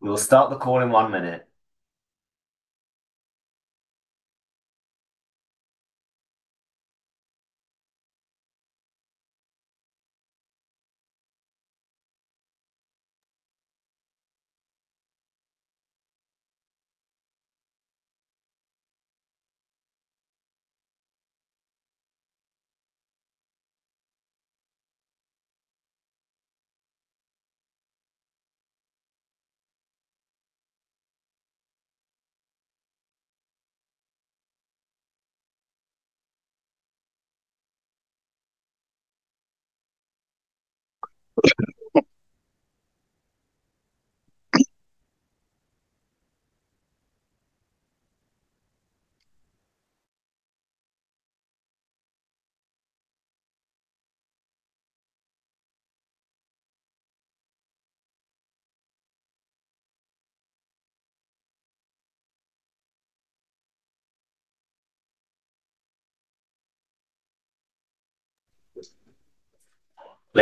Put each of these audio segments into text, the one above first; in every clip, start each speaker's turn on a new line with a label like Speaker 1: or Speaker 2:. Speaker 1: We'll start the call in one minute.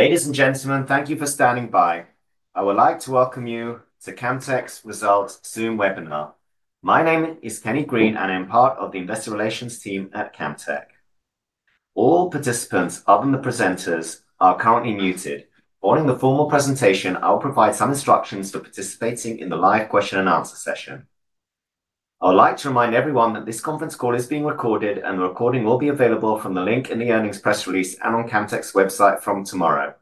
Speaker 1: Ladies and gentlemen, thank you for standing by. I would like to welcome you to Camtek's Results Zoom Webinar. My name is Kenny Green, and I am part of the Investor Relations team at Camtek. All participants, other than the presenters, are currently muted. During the formal presentation, I'll provide some instructions for participating in the live question-and-answer session. I would like to remind everyone that this conference call is being recorded, and the recording will be available from the link in the earnings press release and on Camtek's website from tomorrow.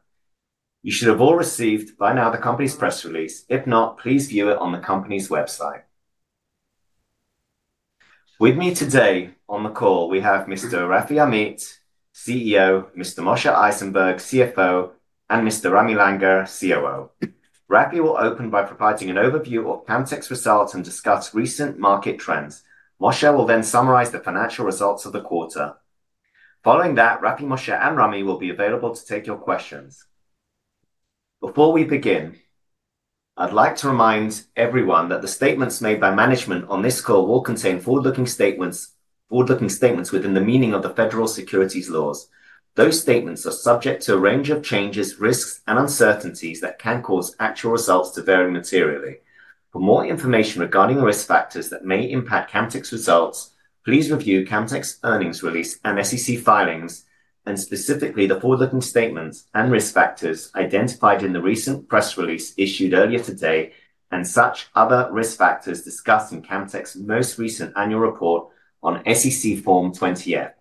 Speaker 1: You should have all received by now the company's press release. If not, please view it on the company's website. With me today on the call, we have Mr. Rafi Amit, CEO; Mr. Moshe Eisenberg, CFO; and Mr. Ramy Langer, COO. Rafi will open by providing an overview of Camtek's results and discuss recent market trends. Moshe will then summarize the financial results of the quarter. Following that, Rafi, Moshe, and Ramy will be available to take your questions. Before we begin, I'd like to remind everyone that the statements made by management on this call will contain forward-looking statements within the meaning of the federal securities laws. Those statements are subject to a range of changes, risks, and uncertainties that can cause actual results to vary materially. For more information regarding the risk factors that may impact Camtek's results, please review Camtek's earnings release and SEC filings, and specifically the forward-looking statements and risk factors identified in the recent press release issued earlier today, and such other risk factors discussed in Camtek's most recent annual report on SEC Form 20-F.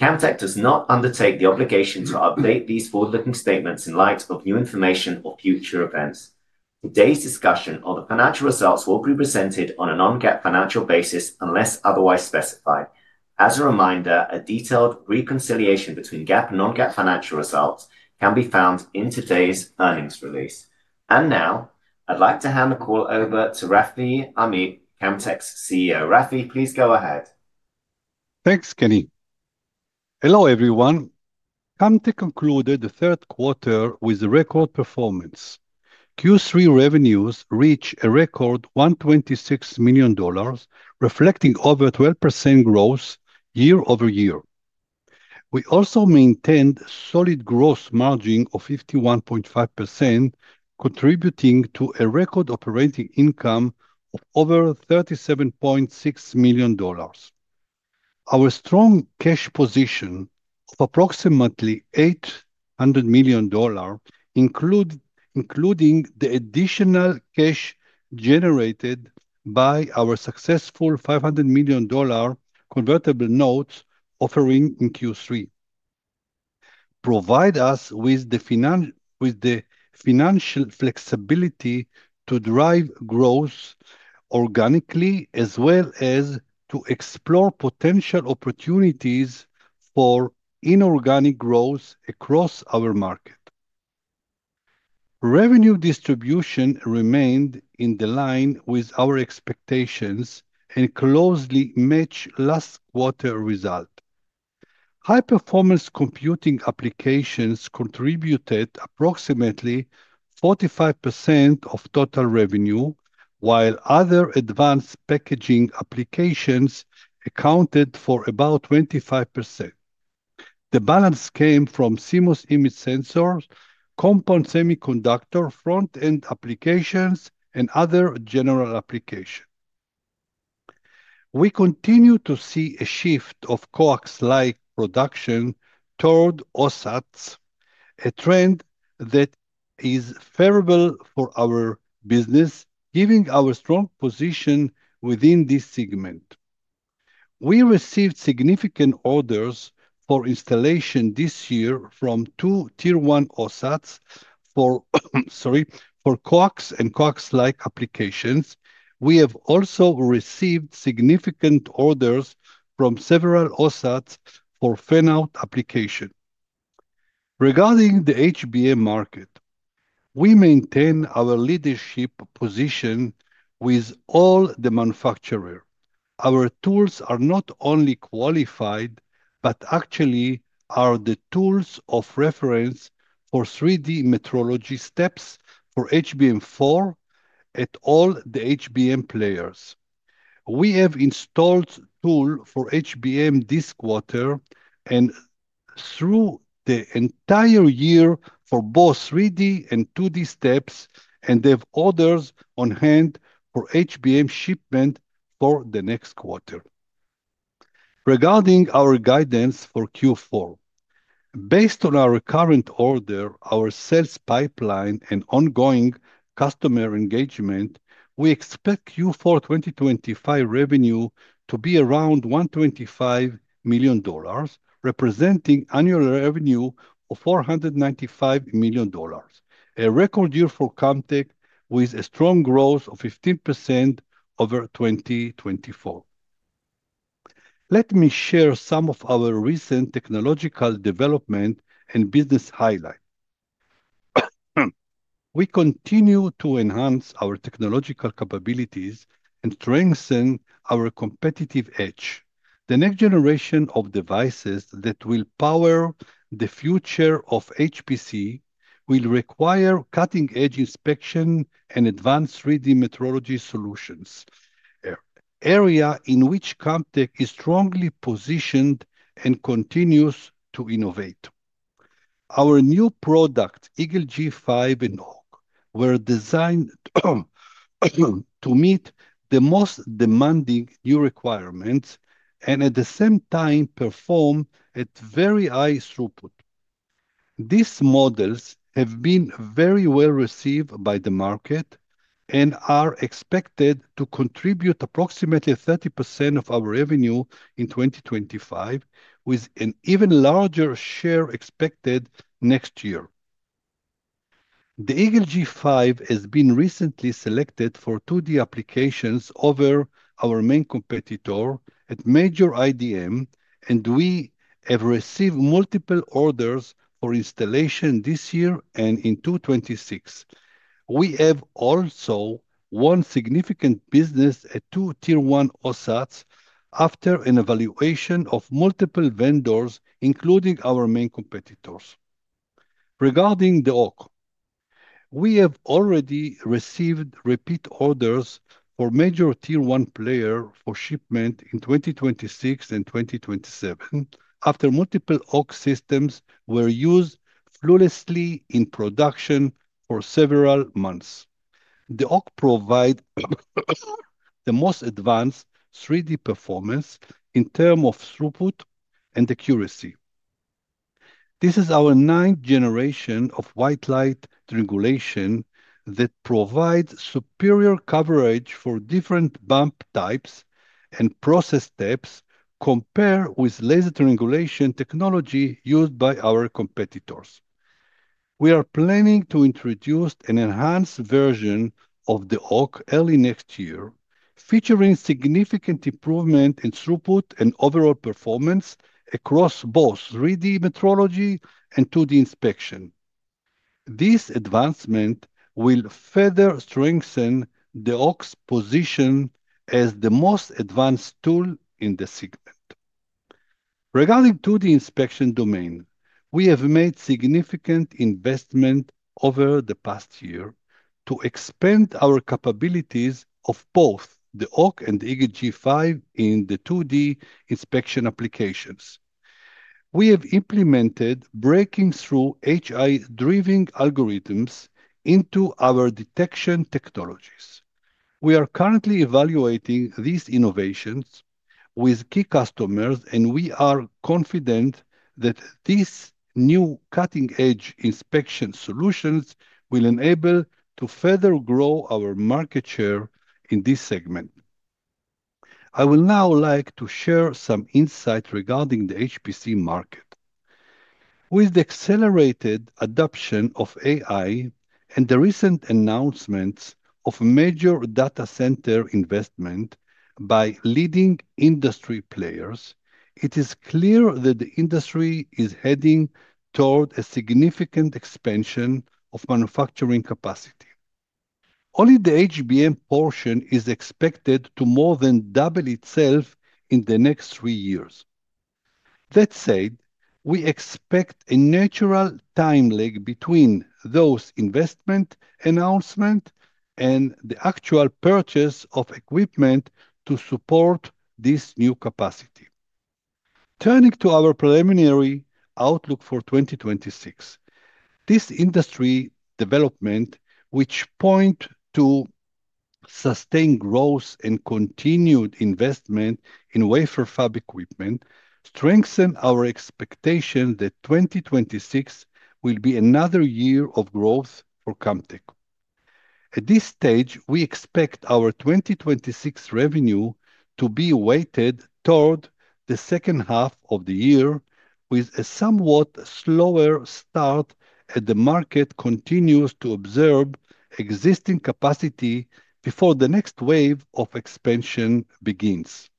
Speaker 1: Camtek does not undertake the obligation to update these forward-looking statements in light of new information or future events. Today's discussion of the financial results will be presented on a non-GAAP financial basis unless otherwise specified. As a reminder, a detailed reconciliation between GAAP and non-GAAP financial results can be found in today's earnings release. I would like to hand the call over to Rafi Amit, Camtek's CEO. Rafi, please go ahead.
Speaker 2: Thanks, Kenny. Hello everyone. Camtek concluded the third quarter with a record performance. Q3 revenues reached a record $126 million, reflecting over 12% growth year-over-year. We also maintained a solid gross margin of 51.5%, contributing to a record operating income of over $37.6 million. Our strong cash position of approximately $800 million includes the additional cash generated by our successful $500 million convertible notes offering in Q3, providing us with the financial flexibility to drive growth organically, as well as to explore potential opportunities for inorganic growth across our market. Revenue distribution remained in line with our expectations and closely matched last quarter results. High-performance computing applications contributed approximately 45% of total revenue, while other advanced packaging applications accounted for about 25%. The balance came from CMOS image sensors, compound semiconductor front-end applications, and other general applications. We continue to see a shift of CoWoS-like production toward OSATs, a trend that is favorable for our business, given our strong position within this segment. We received significant orders for installation this year from two Tier-1 OSATs for CoWoS and CoWoS-like applications. We have also received significant orders from several OSATs for fan-out applications. Regarding the HBM market, we maintain our leadership position with all the manufacturers. Our tools are not only qualified but actually are the tools of reference for 3D metrology steps for HBM4 at all the HBM players. We have installed tools for HBM this quarter and throughout the entire year for both 3D and 2D steps, and have orders on hand for HBM shipment for the next quarter. Regarding our guidance for Q4, based on our current order, our sales pipeline, and ongoing customer engagement, we expect Q4 2025 revenue to be around $125 million, representing annual revenue of $495 million, a record year for Camtek with a strong growth of 15% over 2024. Let me share some of our recent technological developments and business highlights. We continue to enhance our technological capabilities and strengthen our competitive edge. The next generation of devices that will power the future of HPC will require cutting-edge inspection and advanced 3D metrology solutions, an area in which Camtek is strongly positioned and continues to innovate. Our new products, Eagle G5 and OAK, were designed to meet the most demanding new requirements and, at the same time, perform at very high throughput. These models have been very well received by the market and are expected to contribute approximately 30% of our revenue in 2025, with an even larger share expected next year. The Eagle G5 has been recently selected for 2D applications over our main competitor at major IDM, and we have received multiple orders for installation this year and in 2026. We have also won significant business at two Tier-1 OSATs after an evaluation of multiple vendors, including our main competitors. Regarding the OAK, we have already received repeat orders for major Tier 1 players for shipment in 2026 and 2027 after multiple OAK systems were used flawlessly in production for several months. The OAK provides the most advanced 3D performance in terms of throughput and accuracy. This is our ninth generation of white light triangulation that provides superior coverage for different bump types and process types compared with laser triangulation technology used by our competitors. We are planning to introduce an enhanced version of the OAK early next year, featuring significant improvement in throughput and overall performance across both 3D metrology and 2D inspection. This advancement will further strengthen the OAK's position as the most advanced tool in the segment. Regarding the 2D inspection domain, we have made significant investment over the past year to expand our capabilities of both the OAK and the Eagle G5 in the 2D inspection applications. We have implemented breakthrough AI-driving algorithms into our detection technologies. We are currently evaluating these innovations with key customers, and we are confident that these new cutting-edge inspection solutions will enable us to further grow our market share in this segment. I would now like to share some insights regarding the HPC market. With the accelerated adoption of AI and the recent announcements of major data center investments by leading industry players, it is clear that the industry is heading toward a significant expansion of manufacturing capacity. Only the HBM portion is expected to more than double itself in the next three years. That said, we expect a natural time lag between those investment announcements and the actual purchase of equipment to support this new capacity. Turning to our preliminary outlook for 2026, this industry development, which points to sustained growth and continued investment in wafer fab equipment, strengthens our expectation that 2026 will be another year of growth for Camtek. At this stage, we expect our 2026 revenue to be weighted toward the second half of the year, with a somewhat slower start as the market continues to observe existing capacity before the next wave of expansion begins.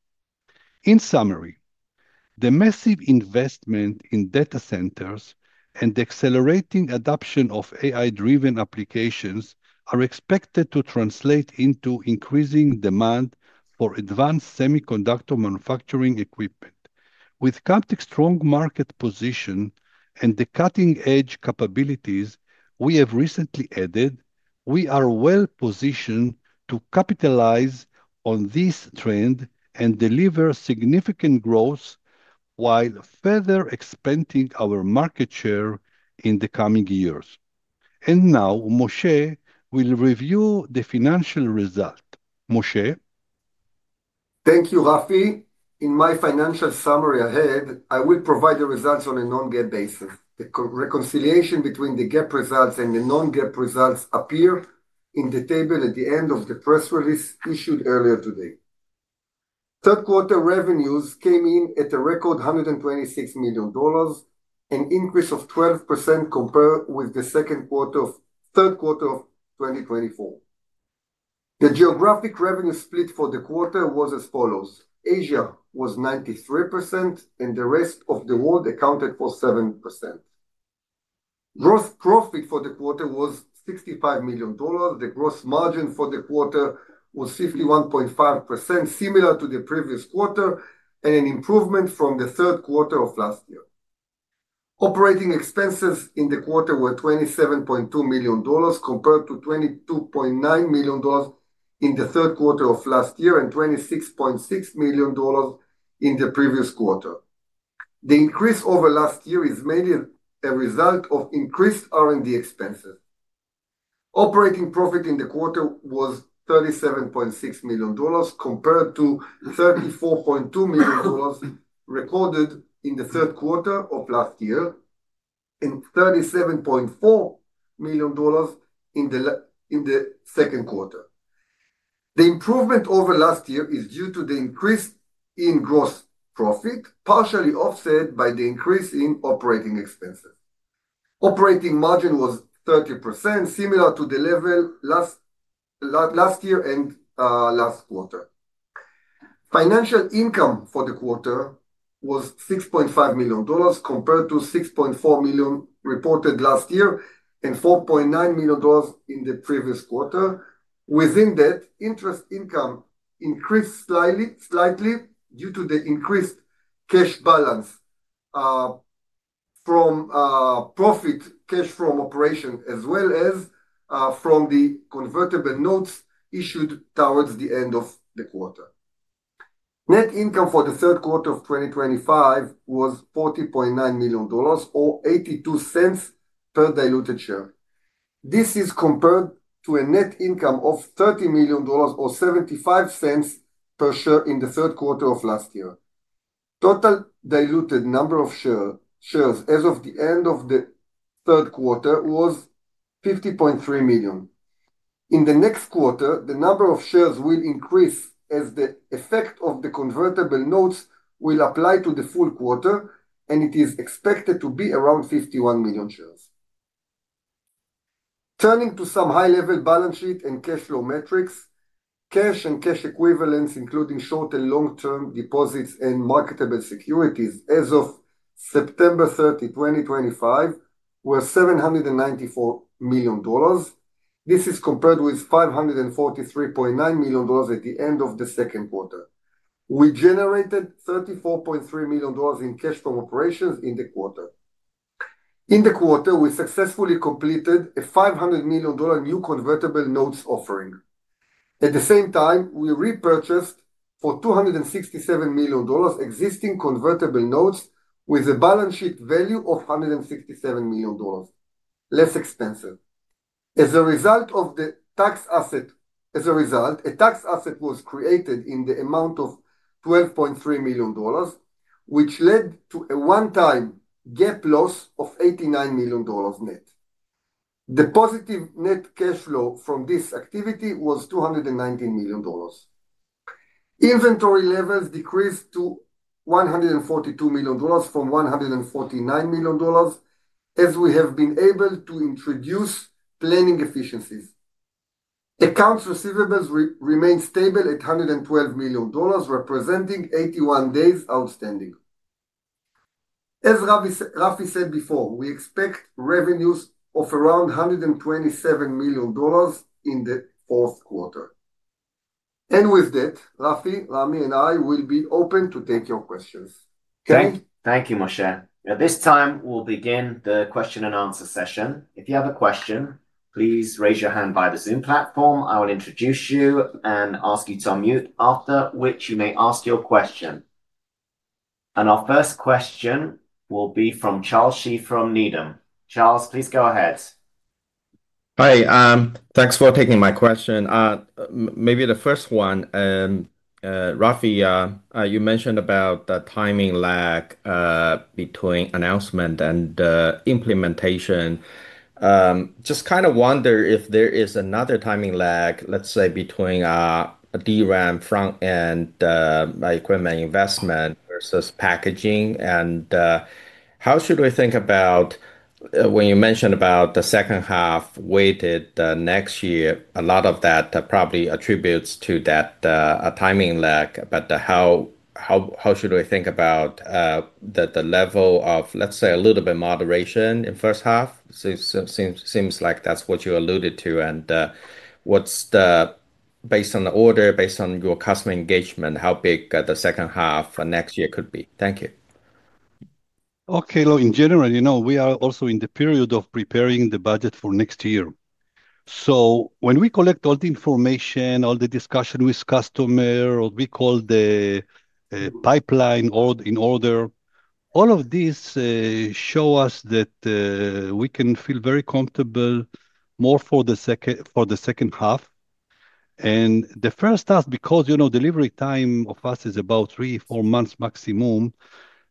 Speaker 2: In summary, the massive investment in data centers and the accelerating adoption of AI-driven applications are expected to translate into increasing demand for advanced semiconductor manufacturing equipment. With Camtek's strong market position and the cutting-edge capabilities we have recently added, we are well positioned to capitalize on this trend and deliver significant growth while further expanding our market share in the coming years. Now, Moshe will review the financial results. Moshe?
Speaker 3: Thank you, Rafi. In my financial summary ahead, I will provide the results on a non-GAAP basis. The reconciliation between the GAAP results and the non-GAAP results appears in the table at the end of the press release issued earlier today. Third quarter revenues came in at a record $126 million, an increase of 12% compared with the second quarter or third quarter of 2024. The geographic revenue split for the quarter was as follows, Asia was 93%, and the rest of the world accounted for 7%. Gross profit for the quarter was $65 million. The gross margin for the quarter was 51.5%, similar to the previous quarter, and an improvement from the third quarter of last year. Operating expenses in the quarter were $27.2 million compared to $22.9 million in the third quarter of last year and $26.6 million in the previous quarter. The increase over last year is mainly a result of increased R&D expenses. Operating profit in the quarter was $37.6 million compared to $34.2 million recorded in the third quarter of last year and $37.4 million in the second quarter. The improvement over last year is due to the increase in gross profit, partially offset by the increase in operating expenses. Operating margin was 30%, similar to the level last year and last quarter. Financial income for the quarter was $6.5 million compared to $6.4 million reported last year and $4.9 million in the previous quarter. Within that, interest income increased slightly due to the increased cash balance from profit cash from operations, as well as from the convertible notes issued towards the end of the quarter. Net income for the third quarter of 2025 was $40.9 million, or $0.82 per diluted share. This is compared to a net income of $30 million, or $0.75 per share in the third quarter of last year. Total diluted number of shares as of the end of the third quarter was 50.3 million. In the next quarter, the number of shares will increase as the effect of the convertible notes will apply to the full quarter, and it is expected to be around 51 million shares. Turning to some high-level balance sheet and cash flow metrics, cash and cash equivalents, including short and long-term deposits and marketable securities as of September 30, 2025, were $794 million. This is compared with $543.9 million at the end of the second quarter. We generated $34.3 million in cash from operations in the quarter. In the quarter, we successfully completed a $500 million new convertible notes offering. At the same time, we repurchased for $267 million existing convertible notes with a balance sheet value of $167 million, less expensive. As a result of the tax asset, a tax asset was created in the amount of $12.3 million, which led to a one-time GAAP loss of $89 million net. The positive net cash flow from this activity was $219 million. Inventory levels decreased to $142 million from $149 million as we have been able to introduce planning efficiencies. Accounts receivables remained stable at $112 million, representing 81 days outstanding. As Rafi said before, we expect revenues of around $127 million in the fourth quarter. With that, Rafi, Ramy, and I will be open to take your questions.
Speaker 1: Okay, thank you, Moshe. At this time, we'll begin the question-and-answer session. If you have a question, please raise your hand by the Zoom platform. I will introduce you and ask you to unmute, after which you may ask your question. Our first question will be from Charles Shi from Needham. Charles, please go ahead.
Speaker 4: Hi, thanks for taking my question. Maybe the first one, Rafi, you mentioned about the timing lag between announcement and the implementation. Just kind of wonder if there is another timing lag, let's say, between a DRAM front-end equipment investment versus packaging. How should we think about when you mentioned about the second half weighted next year? A lot of that probably attributes to that timing lag. How should we think about the level of, let's say, a little bit of moderation in the first half? Seems like that's what you alluded to. Based on the order, based on your customer engagement, how big the second half next year could be? Thank you.
Speaker 2: Okay, look, in general, you know we are also in the period of preparing the budget for next year. So when we collect all the information, all the discussion with customers, what we call the pipeline in order, all of this shows us that we can feel very comfortable more for the second half. The first half, because you know delivery time of us is about three, four months maximum,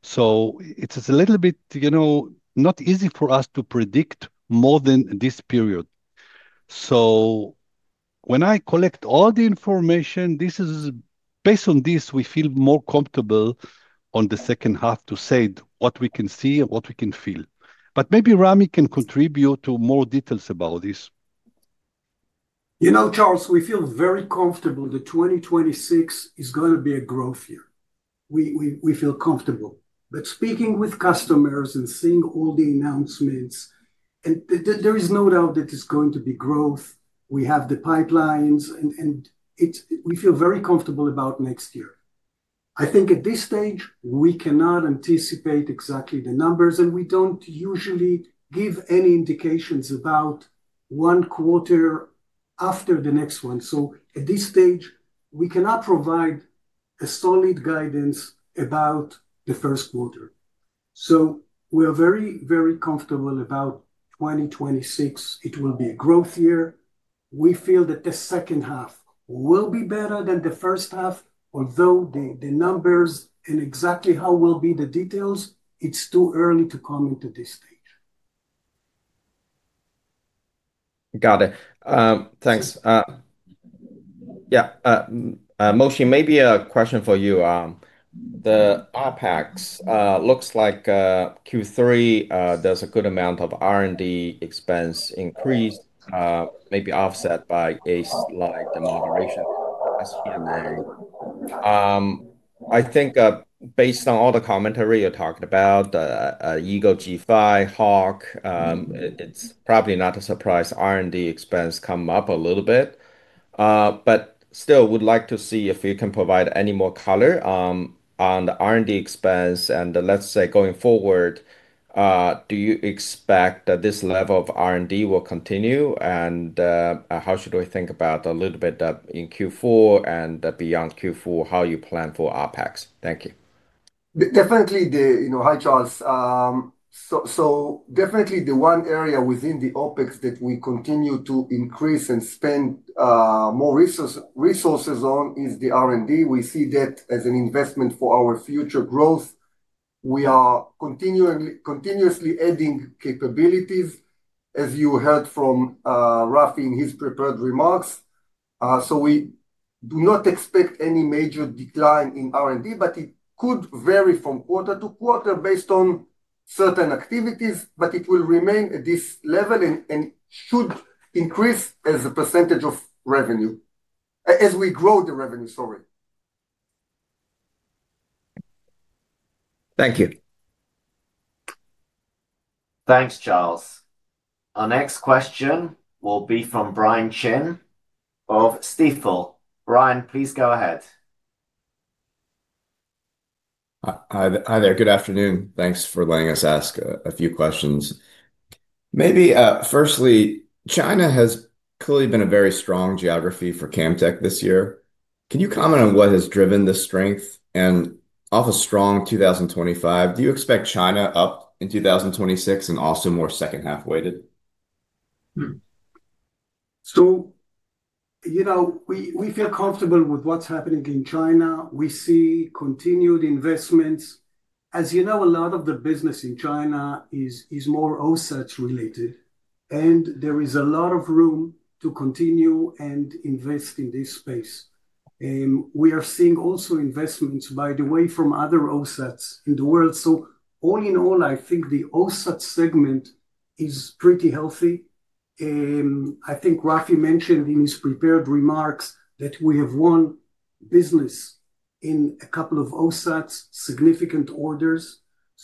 Speaker 2: so it's a little bit, you know, not easy for us to predict more than this period. So when I collect all the information, this is based on this, we feel more comfortable on the second half to say what we can see and what we can feel. Maybe Ramy can contribute to more details about this.
Speaker 5: You know, Charles, we feel very comfortable that 2026 is going to be a growth year. We feel comfortable. Speaking with customers and seeing all the announcements, there is no doubt that there's going to be growth. We have the pipelines, and we feel very comfortable about next year. I think at this stage, we cannot anticipate exactly the numbers, and we do not usually give any indications about one quarter after the next one. At this stage, we cannot provide a solid guidance about the first quarter. We are very, very comfortable about 2026. It will be a growth year. We feel that the second half will be better than the first half, although the numbers and exactly how will be the details, it is too early to comment at this stage.
Speaker 4: Got it. Thanks. Yeah, Moshe, maybe a question for you. The OpEx looks like Q3, there's a good amount of R&D expense increased, maybe offset by a slight moderation. I think based on all the commentary you're talking about, Eagle G5, Hawk, it's probably not a surprise R&D expense coming up a little bit. But still, we'd like to see if you can provide any more color on the R&D expense. And let's say going forward, do you expect that this level of R&D will continue? And how should we think about a little bit in Q4 and beyond Q4, how you plan for OpEx? Thank you.
Speaker 3: Definitely, you know, hi, Charles. So definitely the one area within the OpEx that we continue to increase and spend more resources on is the R&D. We see that as an investment for our future growth. We are continuously adding capabilities, as you heard from Rafi in his prepared remarks. We do not expect any major decline in R&D, but it could vary from quarter to quarter based on certain activities, but it will remain at this level and should increase as a percentage of revenue as we grow the revenue, sorry.
Speaker 4: Thank you.
Speaker 1: Thanks, Charles. Our next question will be from Brian Chin of Stifel. Brian, please go ahead.
Speaker 6: Hi there. Good afternoon. Thanks for letting us ask a few questions. Maybe firstly, China has clearly been a very strong geography for Camtek this year. Can you comment on what has driven the strength and of a strong 2025? Do you expect China up in 2026 and also more second-half weighted?
Speaker 5: You know we feel comfortable with what's happening in China. We see continued investments. As you know, a lot of the business in China is more OSAT-related, and there is a lot of room to continue and invest in this space. We are seeing also investments, by the way, from other OSATs in the world. All in all, I think the OSAT segment is pretty healthy. I think Rafi mentioned in his prepared remarks that we have won business in a couple of OSATs, significant orders.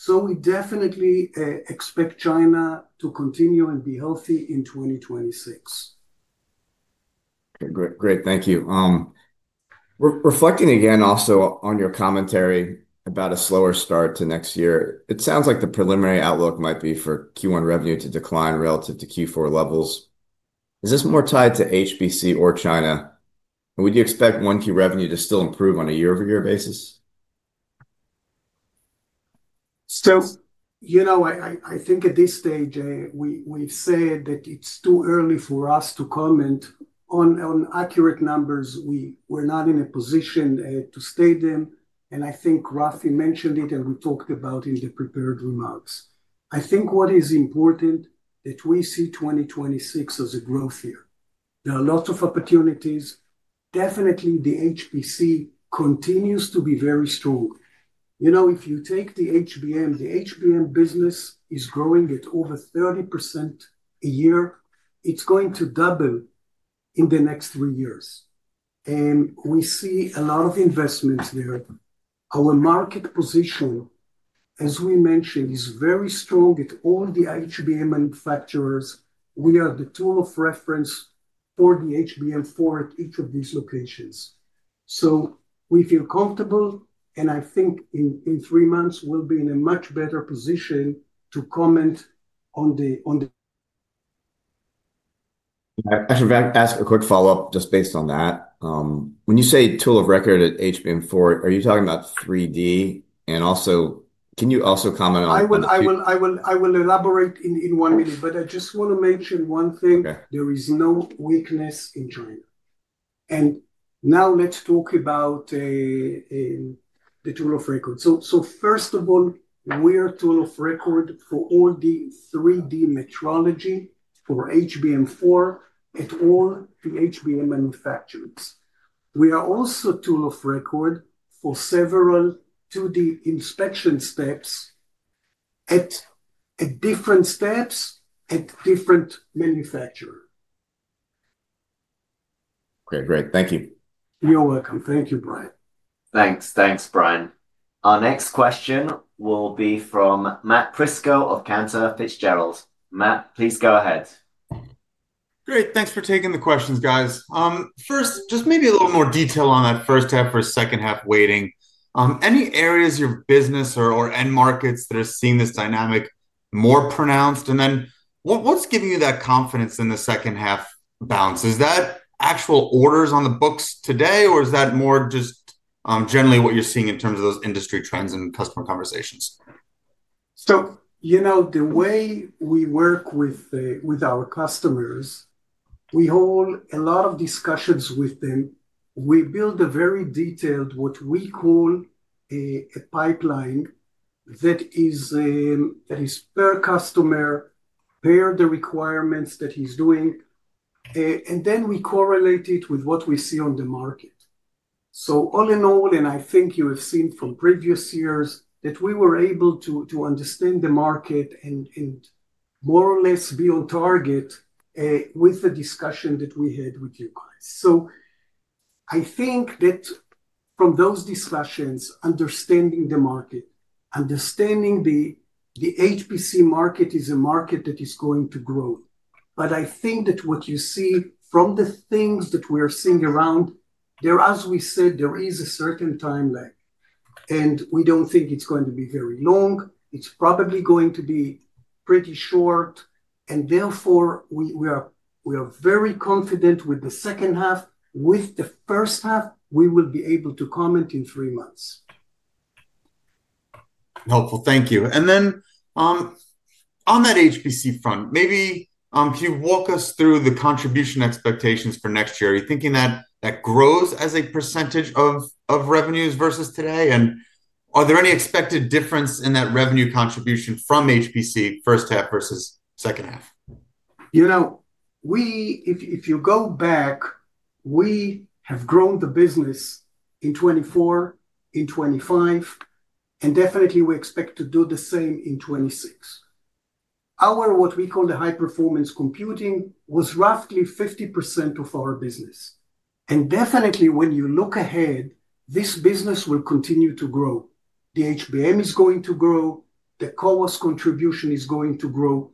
Speaker 5: We definitely expect China to continue and be healthy in 2026.
Speaker 6: Great, great, thank you. Reflecting again also on your commentary about a slower start to next year, it sounds like the preliminary outlook might be for Q1 revenue to decline relative to Q4 levels. Is this more tied to HPC or China? Would you expect one-key revenue to still improve on a year-over-year basis?
Speaker 5: You know, I think at this stage, we've said that it's too early for us to comment on accurate numbers. We're not in a position to state them. I think Rafi mentioned it and we talked about it in the prepared remarks. I think what is important is that we see 2026 as a growth year. There are lots of opportunities. Definitely, the HPC continues to be very strong. You know, if you take the HBM, the HBM business is growing at over 30% a year. It's going to double in the next three years. We see a lot of investments there. Our market position, as we mentioned, is very strong at all the HBM manufacturers. We are the tool of reference for the HBM for each of these locations. We feel comfortable, and I think in three months, we'll be in a much better position to comment on the.
Speaker 6: I should ask a quick follow-up just based on that. When you say tool of record at HBM4, are you talking about 3D? Can you also comment on?
Speaker 5: I will elaborate in one minute, but I just want to mention one thing. There is no weakness in China. Now let's talk about the tool of record. First of all, we are tool of record for all the 3D metrology for HBM4 at all the HBM manufacturers. We are also tool of record for several 2D inspection steps at different steps at different manufacturers.
Speaker 6: Okay, great. Thank you.
Speaker 5: You're welcome. Thank you, Brian.
Speaker 1: Thanks. Thanks, Brian. Our next question will be from Matt Prisco of Cantor Fitzgerald. Matt, please go ahead.
Speaker 7: Great. Thanks for taking the questions, guys. First, just maybe a little more detail on that first half or second half weighting. Any areas of your business or end markets that are seeing this dynamic more pronounced? What is giving you that confidence in the second half balance? Is that actual orders on the books today, or is that more just generally what you're seeing in terms of those industry trends and customer conversations?
Speaker 5: You know the way we work with our customers, we hold a lot of discussions with them. We build a very detailed, what we call a pipeline that is per customer, per the requirements that he's doing. Then we correlate it with what we see on the market. All in all, and I think you have seen from previous years that we were able to understand the market and more or less be on target with the discussion that we had with you guys. I think that from those discussions, understanding the market, understanding the HPC market is a market that is going to grow. I think that what you see from the things that we are seeing around, as we said, there is a certain time lag. We do not think it is going to be very long. It is probably going to be pretty short. Therefore, we are very confident with the second half. With the first half, we will be able to comment in three months.
Speaker 7: Helpful. Thank you. And then on that HPC front, maybe can you walk us through the contribution expectations for next year? Are you thinking that that grows as a percentage of revenues versus today? And are there any expected difference in that revenue contribution from HPC first half versus second half?
Speaker 5: You know, if you go back, we have grown the business in 2024, in 2025, and definitely we expect to do the same in 2026. Our, what we call the High-Performance Computing, was roughly 50% of our business. And definitely, when you look ahead, this business will continue to grow. The HBM is going to grow. The CoWoS contribution is going to grow.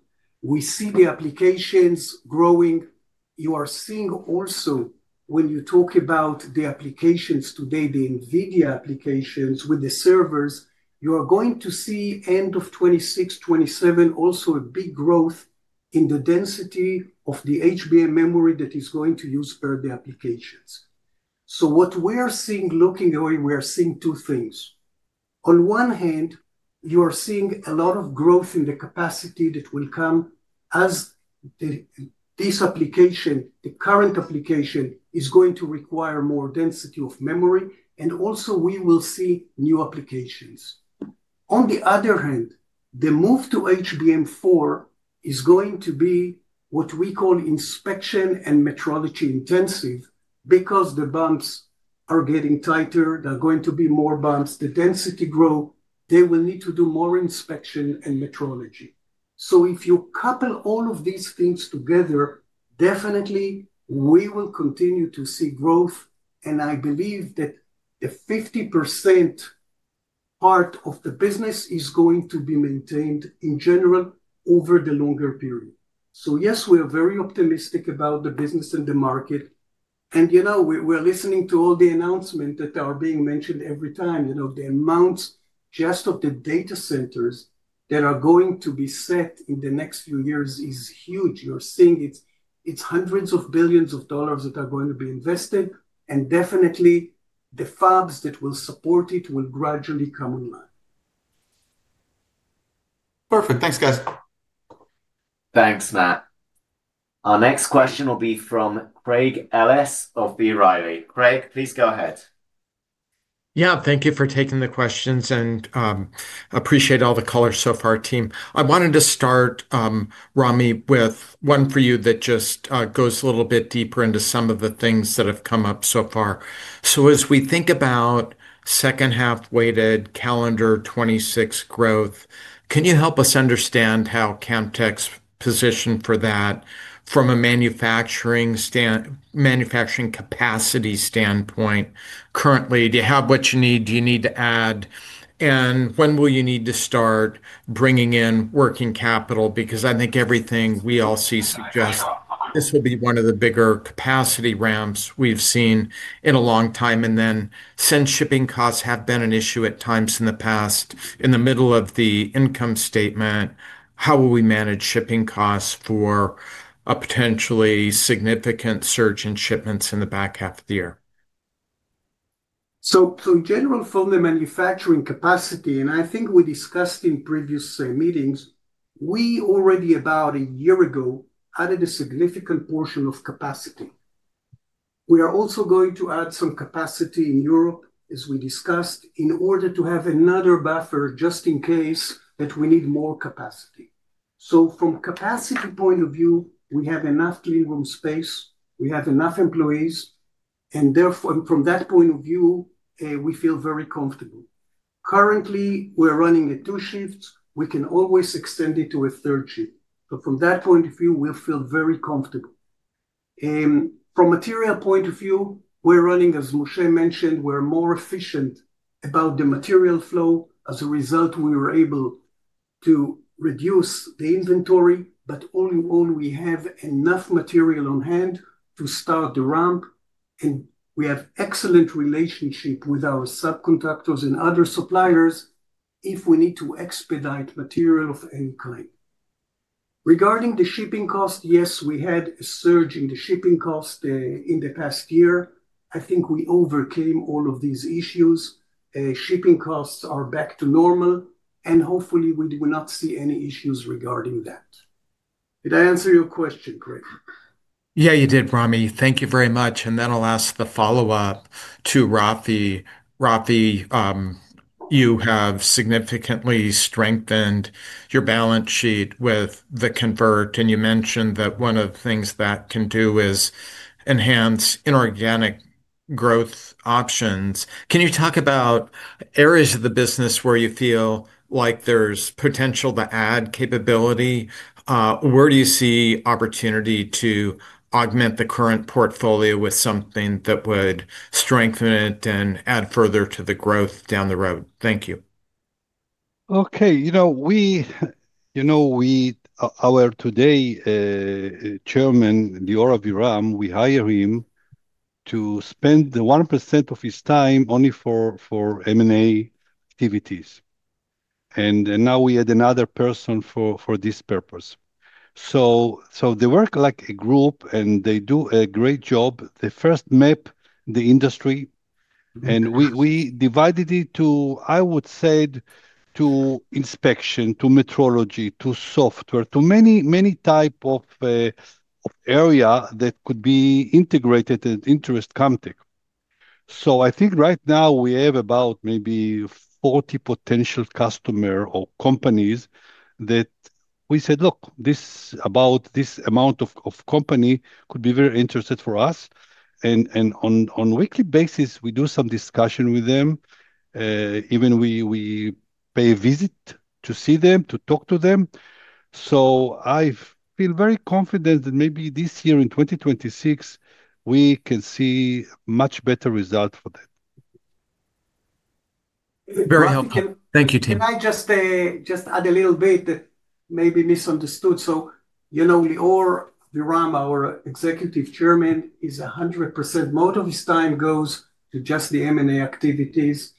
Speaker 5: We see the applications growing. You are seeing also when you talk about the applications today, the NVIDIA applications with the servers, you are going to see end of 2026, 2027, also a big growth in the density of the HBM memory that is going to use per the applications. So what we are seeing, looking away, we are seeing two things. On one hand, you are seeing a lot of growth in the capacity that will come as this application, the current application, is going to require more density of memory. Also, we will see new applications. On the other hand, the move to HBM4 is going to be what we call inspection and metrology intensive because the bumps are getting tighter. There are going to be more bumps. The density grows. They will need to do more inspection and metrology. If you couple all of these things together, definitely we will continue to see growth. I believe that the 50% part of the business is going to be maintained in general over the longer period. Yes, we are very optimistic about the business and the market. You know we're listening to all the announcements that are being mentioned every time. You know the amounts just of the data centers that are going to be set in the next few years is huge. You're seeing it's hundreds of billions of dollars that are going to be invested. Definitely the fabs that will support it will gradually come online.
Speaker 7: Perfect. Thanks, guys.
Speaker 1: Thanks, Matt. Our next question will be from Craig Ellis of B. Riley. Craig, please go ahead.
Speaker 8: Yeah, thank you for taking the questions and appreciate all the color so far, team. I wanted to start, Ramy, with one for you that just goes a little bit deeper into some of the things that have come up so far. As we think about second half weighted calendar 2026 growth, can you help us understand how Camtek's positioned for that from a manufacturing capacity standpoint currently? Do you have what you need? Do you need to add? When will you need to start bringing in working capital? I think everything we all see suggests this will be one of the bigger capacity ramps we've seen in a long time. Since shipping costs have been an issue at times in the past, in the middle of the income statement, how will we manage shipping costs for a potentially significant surge in shipments in the back half of the year?
Speaker 5: In general, from the manufacturing capacity, and I think we discussed in previous meetings, we already about a year ago added a significant portion of capacity. We are also going to add some capacity in Europe, as we discussed, in order to have another buffer just in case that we need more capacity. From a capacity point of view, we have enough clean room space. We have enough employees. Therefore, from that point of view, we feel very comfortable. Currently, we're running two shifts. We can always extend it to a third shift. From that point of view, we feel very comfortable. From a material point of view, we're running, as Moshe mentioned, we're more efficient about the material flow. As a result, we were able to reduce the inventory, but all in all, we have enough material on hand to start the ramp. We have excellent relationships with our subcontractors and other suppliers if we need to expedite material of any kind. Regarding the shipping cost, yes, we had a surge in the shipping cost in the past year. I think we overcame all of these issues. Shipping costs are back to normal. Hopefully, we do not see any issues regarding that. Did I answer your question, Craig?
Speaker 9: Yeah, you did, Ramy. Thank you very much. I'll ask the follow-up to Rafi. Rafi, you have significantly strengthened your balance sheet with the convert. You mentioned that one of the things that can do is enhance inorganic growth options. Can you talk about areas of the business where you feel like there's potential to add capability? Where do you see opportunity to augment the current portfolio with something that would strengthen it and add further to the growth down the road? Thank you.
Speaker 2: Okay. You know, our today Chairman, Lior Aviram, we hired him to spend 1% of his time only for M&A activities. And now we had another person for this purpose. They work like a group, and they do a great job. They first mapped the industry. We divided it to, I would say, to inspection, to metrology, to software, to many, many types of area that could be integrated and interest Camtek. I think right now we have about maybe 40 potential customers or companies that we said, look, about this amount of company could be very interested for us. On a weekly basis, we do some discussion with them. Even we pay a visit to see them, to talk to them. I feel very confident that maybe this year in 2026, we can see a much better result for them.
Speaker 8: Very helpful. Thank you, team.
Speaker 5: Can I just add a little bit that may be misunderstood? Lior Aviram, our Executive Chairman, is 100%, most of his time goes to just the M&A activities.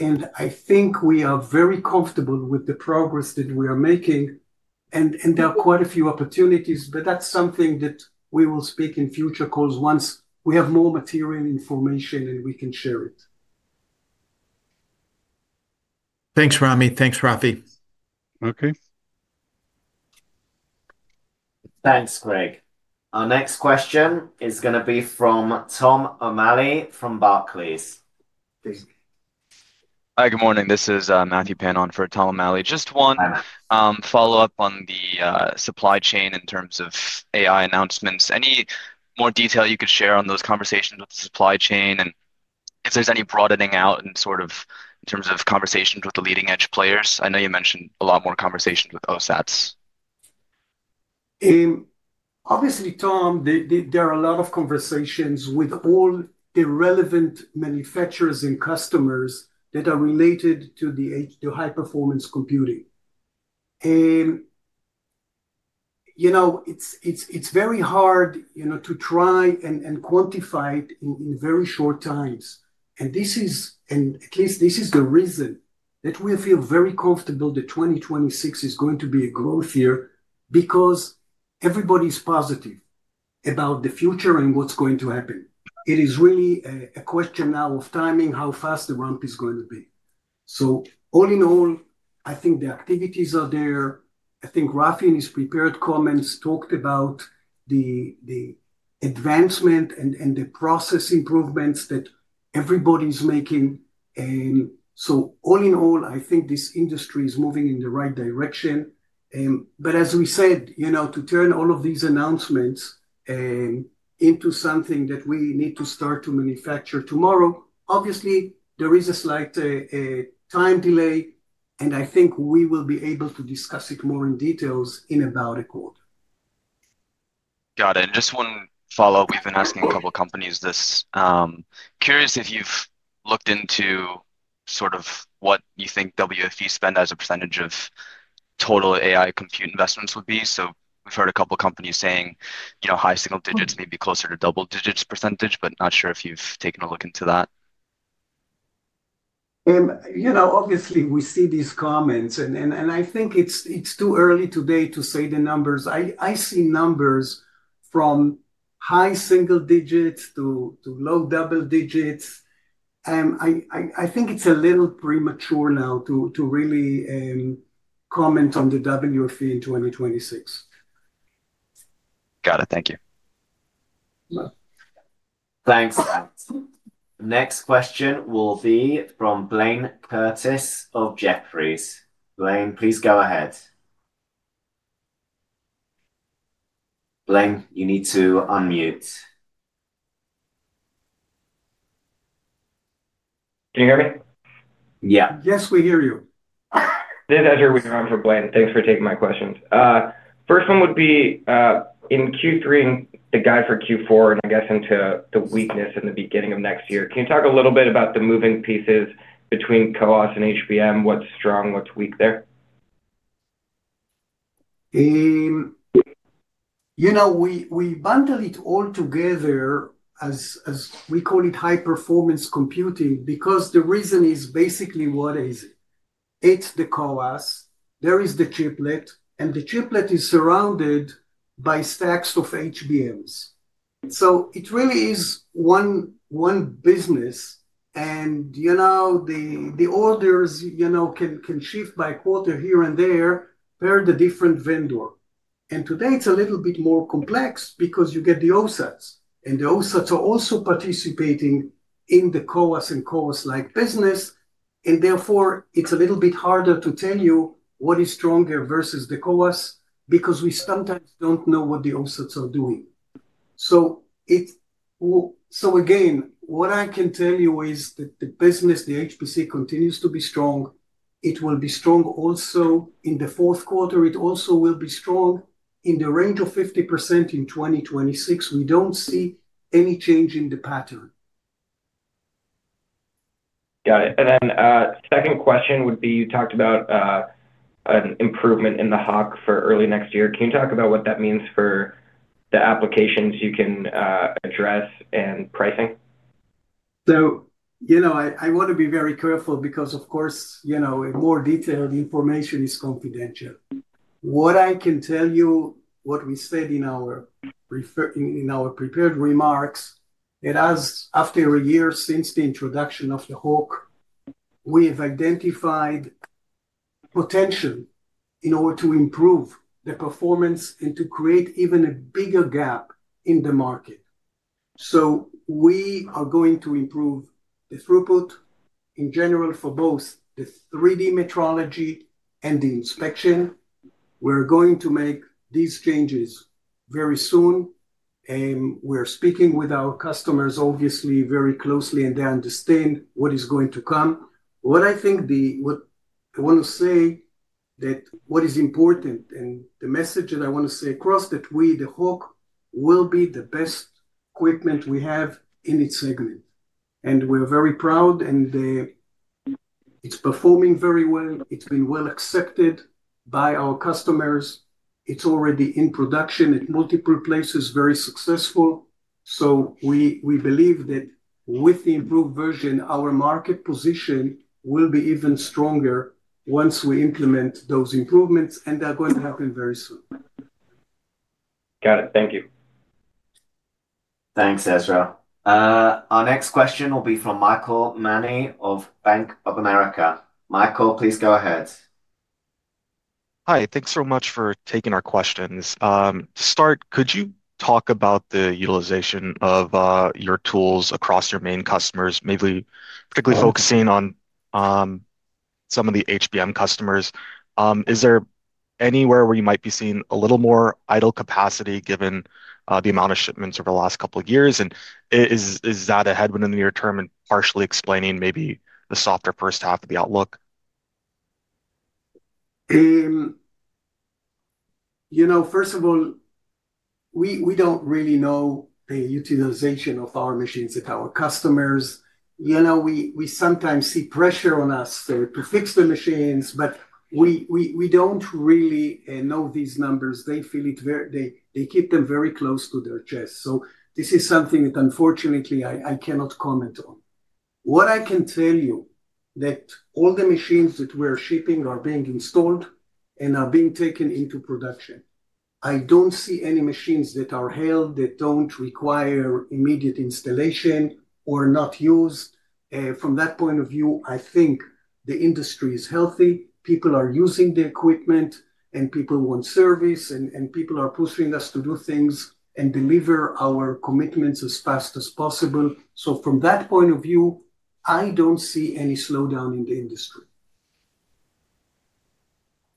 Speaker 5: I think we are very comfortable with the progress that we are making. There are quite a few opportunities, but that is something that we will speak in future calls once we have more material information and we can share it.
Speaker 8: Thanks, Ramy. Thanks, Rafi.
Speaker 2: Okay.
Speaker 1: Thanks, Craig. Our next question is going to be from Tom O'Malley from Barclays.
Speaker 10: Hi, good morning. This is Matthew Pan on for Tom O'Malley. Just one follow-up on the supply chain in terms of AI announcements. Any more detail you could share on those conversations with the supply chain? If there's any broadening out in sort of in terms of conversations with the leading-edge players? I know you mentioned a lot more conversations with OSATs.
Speaker 5: Obviously, Tom, there are a lot of conversations with all the relevant manufacturers and customers that are related to the High-Performance Computing. You know, it's very hard to try and quantify it in very short times. At least this is the reason that we feel very comfortable that 2026 is going to be a growth year because everybody is positive about the future and what's going to happen. It is really a question now of timing, how fast the ramp is going to be. All in all, I think the activities are there. I think Rafi in his prepared comments talked about the advancement and the process improvements that everybody's making. All in all, I think this industry is moving in the right direction. As we said, you know, to turn all of these announcements into something that we need to start to manufacture tomorrow, obviously, there is a slight time delay. I think we will be able to discuss it more in details in about a quarter.
Speaker 10: Got it. Just one follow-up. We've been asking a couple of companies this. Curious if you've looked into sort of what you think WFE spend as a percentage of total AI compute investments would be. We've heard a couple of companies saying, you know, high single-digits, maybe closer to double-digits percentage, but not sure if you've taken a look into that?
Speaker 5: You know, obviously, we see these comments. I think it's too early today to say the numbers. I see numbers from high single-digits to low double-digits. I think it's a little premature now to really comment on the WFE in 2026.
Speaker 10: Got it. Thank you.
Speaker 1: Thanks, Matt. Next question will be from Blayne Curtis of Jefferies. Blayne, please go ahead. Blaine, you need to unmute.
Speaker 11: Can you hear me?
Speaker 1: Yeah.
Speaker 5: Yes, we hear you.
Speaker 11: This is Ezra on for, Blaine. Thanks for taking my questions. First one would be in Q3 and the guide for Q4 and I guess into the weakness in the beginning of next year. Can you talk a little bit about the moving pieces between CoWoS and HBM? What is strong? What is weak there?
Speaker 5: You know, we bundle it all together as we call it High-Performance Computing because the reason is basically what is it? It's the CoWoS. There is the chiplet. And the chiplet is surrounded by stacks of HBMs. It really is one business. You know, the orders can shift by a quarter here and there per the different vendor. Today, it's a little bit more complex because you get the OSATs. The OSATs are also participating in the CoWoS and CoWoS-like business. Therefore, it's a little bit harder to tell you what is stronger versus the CoWoS because we sometimes do not know what the OSATs are doing. Again, what I can tell you is that the business, the HPC, continues to be strong. It will be strong also in the fourth quarter. It also will be strong in the range of 50% in 2026. We don't see any change in the pattern.
Speaker 11: Got it. And then second question would be you talked about an improvement in the HOC for early next year. Can you talk about what that means for the applications you can address and pricing?
Speaker 5: You know, I want to be very careful because, of course, more detailed information is confidential. What I can tell you, what we said in our prepared remarks, is after a year since the introduction of the HOC, we have identified potential in order to improve the performance and to create even a bigger gap in the market. We are going to improve the throughput in general for both the 3D metrology and the inspection. We are going to make these changes very soon. We are speaking with our customers, obviously, very closely, and they understand what is going to come. What I want to say, what is important and the message that I want to say across, is that the HOC will be the best equipment we have in its segment. We are very proud, and it is performing very well. It’s been well accepted by our customers. It’s already in production at multiple places, very successful. We believe that with the improved version, our market position will be even stronger once we implement those improvements. They’re going to happen very soon.
Speaker 11: Got it. Thank you.
Speaker 1: Thanks, Ezra. Our next question will be from Michael Mani of Bank of America. Michael, please go ahead.
Speaker 12: Hi. Thanks so much for taking our questions. To start, could you talk about the utilization of your tools across your main customers, particularly focusing on some of the HBM customers? Is there anywhere where you might be seeing a little more idle capacity given the amount of shipments over the last couple of years? Is that a headwind in the near term and partially explaining maybe the softer first half of the outlook?
Speaker 5: You know, first of all, we don't really know the utilization of our machines at our customers. You know, we sometimes see pressure on us to fix the machines, but we don't really know these numbers. They feel it very, they keep them very close to their chest. This is something that, unfortunately, I cannot comment on. What I can tell you is that all the machines that we are shipping are being installed and are being taken into production. I don't see any machines that are held that don't require immediate installation or are not used. From that point of view, I think the industry is healthy. People are using the equipment, and people want service, and people are pushing us to do things and deliver our commitments as fast as possible. From that point of view, I don't see any slowdown in the industry.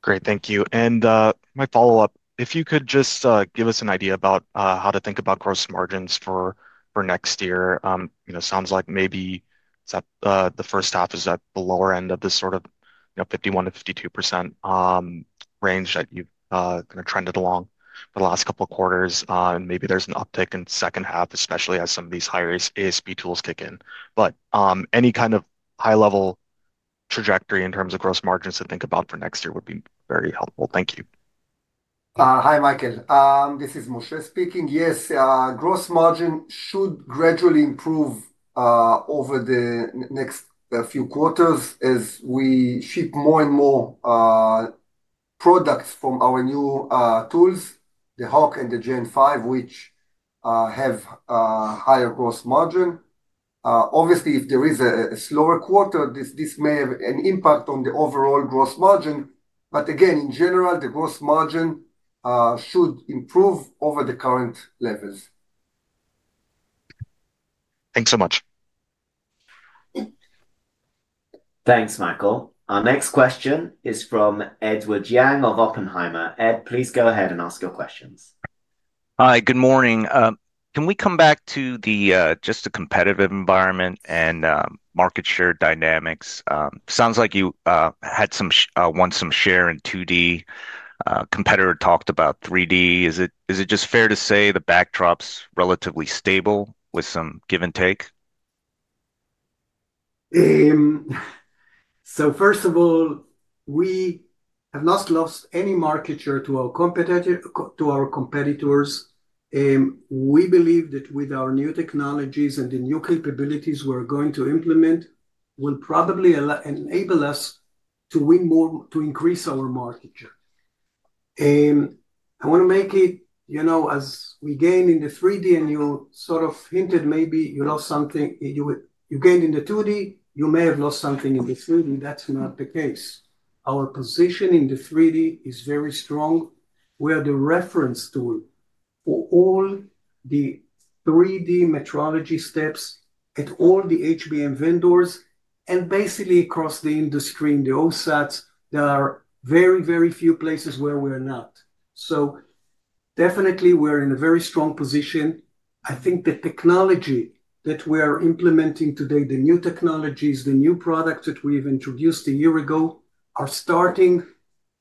Speaker 12: Great. Thank you. And my follow-up, if you could just give us an idea about how to think about gross margins for next year. You know, it sounds like maybe the first half is at the lower end of this sort of 51%-52% range that you've kind of trended along for the last couple of quarters. And maybe there's an uptick in the second half, especially as some of these higher ASP tools kick in. But any kind of high-level trajectory in terms of gross margins to think about for next year would be very helpful. Thank you.
Speaker 3: Hi, Michael. This is Moshe speaking. Yes, gross margin should gradually improve over the next few quarters as we ship more and more products from our new tools, the OAK and the Gen5, which have higher gross margin. Obviously, if there is a slower quarter, this may have an impact on the overall gross margin. Again, in general, the gross margin should improve over the current levels.
Speaker 12: Thanks so much.
Speaker 1: Thanks, Michael. Our next question is from Edward Yang of Oppenheimer. Ed, please go ahead and ask your questions.
Speaker 13: Hi, good morning. Can we come back to just the competitive environment and market share dynamics? Sounds like you had some want some share in 2D. A competitor talked about 3D. Is it just fair to say the backdrop's relatively stable with some give and take?
Speaker 5: First of all, we have not lost any market share to our competitors. We believe that with our new technologies and the new capabilities we're going to implement, will probably enable us to win more, to increase our market share. I want to make it, you know, as we gain in the 3D, and you sort of hinted maybe you lost something. You gain in the 2D, you may have lost something in the 3D. That's not the case. Our position in the 3D is very strong. We are the reference tool for all the 3D metrology steps at all the HBM vendors and basically across the industry in the OSATs. There are very, very few places where we are not. Definitely, we're in a very strong position. I think the technology that we are implementing today, the new technologies, the new products that we've introduced a year ago, are starting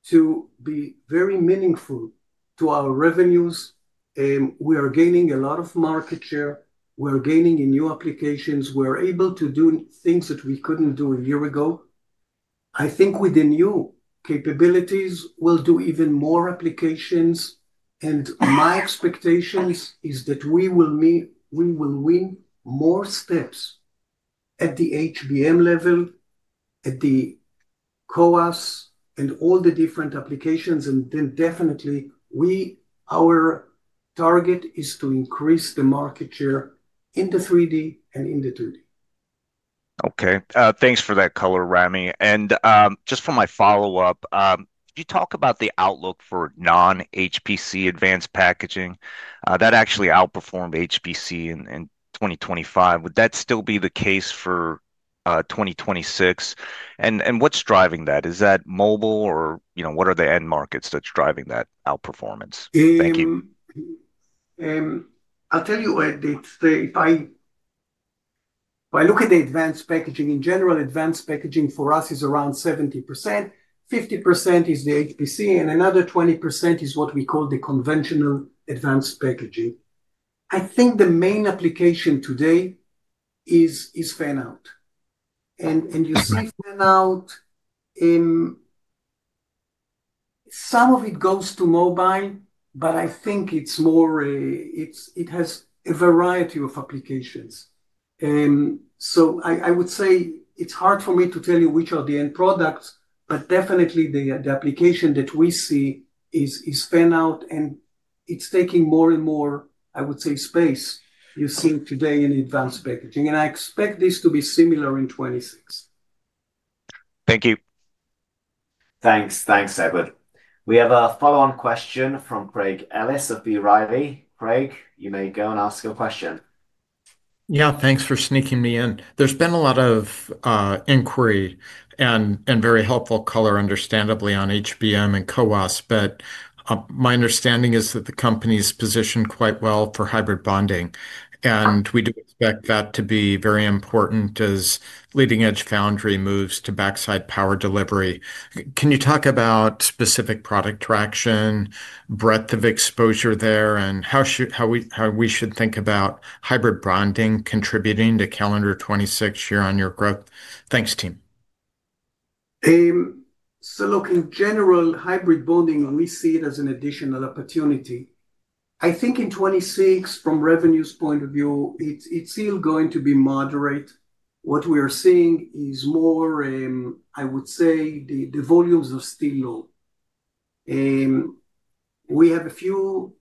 Speaker 5: to be very meaningful to our revenues. We are gaining a lot of market share. We're gaining in new applications. We're able to do things that we couldn't do a year ago. I think with the new capabilities, we'll do even more applications. My expectation is that we will win more steps at the HBM level, at the CoWoS, and all the different applications. Definitely, our target is to increase the market share in the 3D and in the 2D.
Speaker 13: Okay. Thanks for that color, Ramy. And just for my follow-up, could you talk about the outlook for non-HPC advanced packaging? That actually outperformed HPC in 2025. Would that still be the case for 2026? And what's driving that? Is that mobile or, you know, what are the end markets that's driving that outperformance? Thank you.
Speaker 5: I'll tell you, Ed, that if I look at the advanced packaging in general, advanced packaging for us is around 70%. 50% is the HPC, and another 20% is what we call the conventional advanced packaging. I think the main application today is fan-out. You see fan-out, some of it goes to mobile, but I think it's more it has a variety of applications. I would say it's hard for me to tell you which are the end products, but definitely the application that we see is fan-out, and it's taking more and more, I would say, space you see today in advanced packaging. I expect this to be similar in 2026.
Speaker 13: Thank you.
Speaker 1: Thanks. Thanks, Edward. We have a follow-on question from Craig Ellis of B. Riley. Craig, you may go and ask your question.
Speaker 8: Yeah, thanks for sneaking me in. There's been a lot of inquiry and very helpful color, understandably, on HBM and CoWoS, but my understanding is that the company is positioned quite well for Hybrid Bonding. And we do expect that to be very important as leading-edge foundry moves to backside power delivery. Can you talk about specific product traction, breadth of exposure there, and how we should think about Hybrid Bonding contributing to calendar 2026 year-on-year growth? Thanks, team.
Speaker 5: Look, in general, Hybrid Bonding, we see it as an additional opportunity. I think in 2026, from a revenues point of view, it's still going to be moderate. What we are seeing is more, I would say, the volumes are still low. We have a few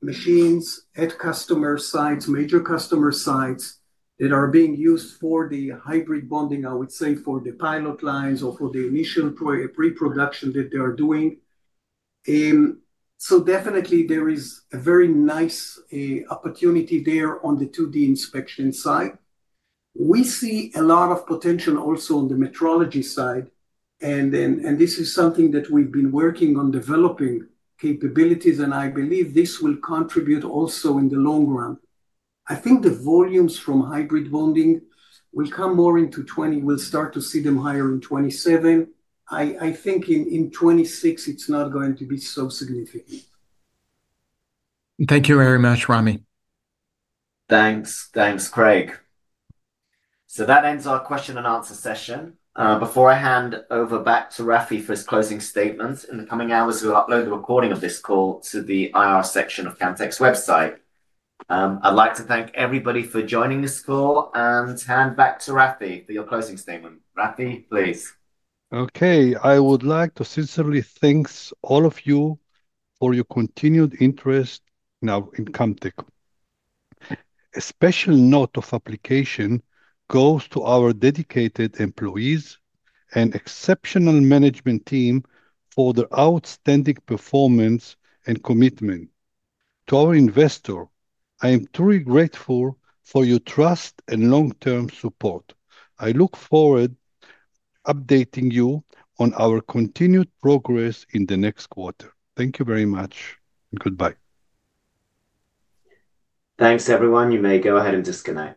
Speaker 5: machines at customer sites, major customer sites that are being used for the Hybrid Bonding, I would say, for the pilot lines or for the initial pre-production that they are doing. Definitely, there is a very nice opportunity there on the 2D inspection side. We see a lot of potential also on the metrology side. This is something that we've been working on developing capabilities, and I believe this will contribute also in the long run. I think the volumes from Hybrid Bonding will come more into 2027. We'll start to see them higher in 2027. I think in 2026, it's not going to be so significant.
Speaker 8: Thank you very much, Ramy.
Speaker 1: Thanks. Thanks, Craig. That ends our question-and-answer session. Before I hand over back to Rafi for his closing statements, in the coming hours, we'll upload the recording of this call to the IR section of Camtek's website. I'd like to thank everybody for joining this call and hand back to Rafi for your closing statement. Rafi, please.
Speaker 2: Okay. I would like to sincerely thank all of you for your continued interest in Camtek. A special note of appreciation goes to our dedicated employees and exceptional management team for their outstanding performance and commitment. To our investors, I am truly grateful for your trust and long-term support. I look forward to updating you on our continued progress in the next quarter. Thank you very much. Goodbye.
Speaker 1: Thanks, everyone. You may go ahead and disconnect.